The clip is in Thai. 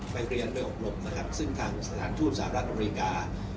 ไปเรียนเป็นอบรมซึ่งทางสถานทูตสหรัฐอเมริกา